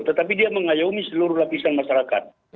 tetapi dia mengayomi seluruh lapisan masyarakat